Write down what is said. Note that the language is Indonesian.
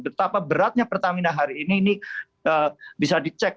betapa beratnya pertamina hari ini ini bisa dicek